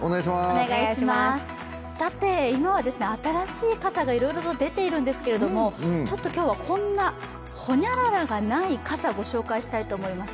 今は新しい傘がいろいろと出ているんですが今日はこんな、ホニャララがない傘をご紹介したいと思います。